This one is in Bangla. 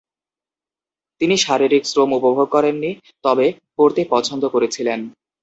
তিনি "শারীরিক শ্রম" উপভোগ করেন নি, তবে পড়তে পছন্দ করেছিলেন।